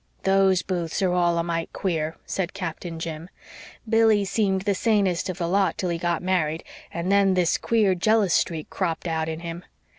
"Those Booths are all a mite queer," said Captain Jim. "Billy seemed the sanest of the lot till he got married and then this queer jealous streak cropped out in him.